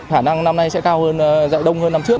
hả năng năm nay sẽ cao hơn dạy đông hơn năm trước